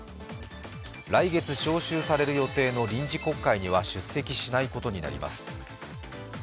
来月召集される予定の臨時国会には出席しないことになります。